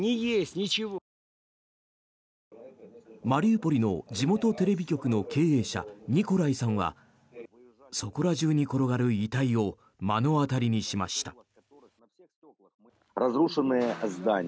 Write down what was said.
マリウポリの地元テレビ局の経営者、ニコライさんはそこら中に転がる遺体を目の当たりにしました。